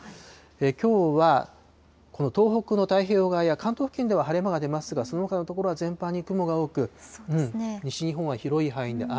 きょうは、この東北の太平洋側や関東付近では晴れ間が出ますが、そのほかの所は全般に雲が多く、西日本は広い範囲で雨。